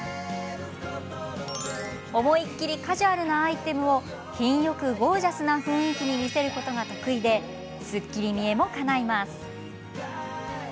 思いっきりカジュアルなアイテムを品よくゴージャスな雰囲気に見せることが得意ですっきり見えも、かないます。